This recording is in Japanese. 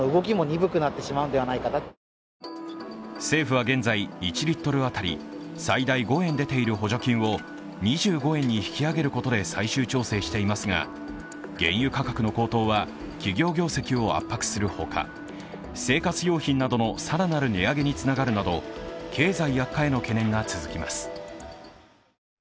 政府は現在、１リットル当たり最大５円出ている補助金を２５円に引き上げることで最終調整していますが原油価格の高騰は企業業績を圧迫するほか、生活用品などの更なる値上げにつながるなど経済悪化への懸念が続きます。